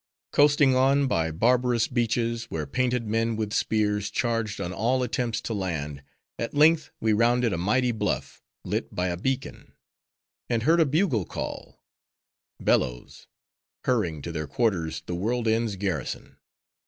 Coasting on by barbarous beaches, where painted men, with spears, charged on all attempts to land, at length we rounded a mighty bluff, lit by a beacon; and heard a bugle call:—Bello's! hurrying to their quarters, the World End's garrison.